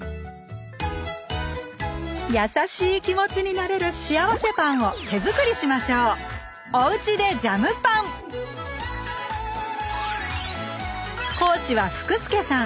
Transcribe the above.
優しい気持ちになれる幸せパンを手づくりしましょう講師はふくすけさん。